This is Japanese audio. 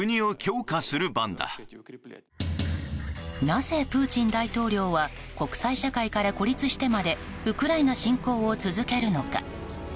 なぜプーチン大統領は国際社会から孤立してまでウクライナ侵攻を続けるのか。